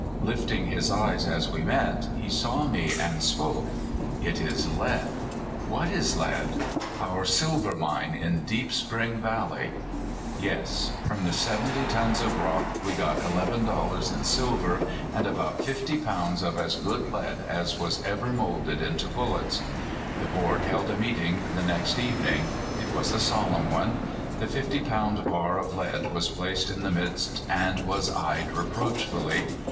Lifting his eyes as we met, he saw me, and spoke: "Mislead!" "What is lead?' 5 " Our silver mine in Deep Spring Valley." Yes; from the seventy tons of rock we got eleven dollars in silver, and about fifty pounds of as good lead as was ever molded into bullets. J/r MIXING SPECULATION. 165 The board held a meeting the next evening. It was a solemn one. The fifty pound bar of lead was placed in the midst, and was eyed reproach fully.